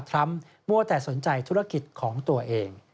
ทรัมป์มัวแต่สนใจธุรกิจของตัวเอง